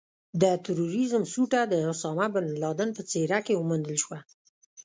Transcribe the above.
د ترورېزم سوټه د اسامه بن لادن په څېره کې وموندل شوه.